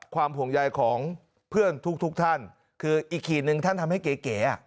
ห่วงใยของเพื่อนทุกทุกท่านคืออีกขีดหนึ่งท่านทำให้เก๋อ่ะ